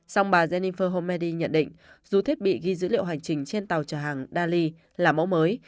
song bà jennifer homedy nhận định dù thiết bị ghi dữ liệu hành trình trên tàu trở hàng dali là mẫu mới